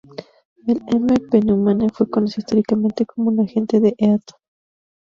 El "M. pneumoniae" fue conocido históricamente como un "agente de Eaton".